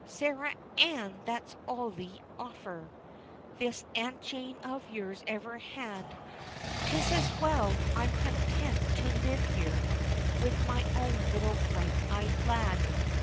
Sarah Ann, that's all the offer This Aunt Jane of yours ever had; 'Tis as well, I'm content to live here With my own little bright eyed lad.